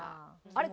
あれ？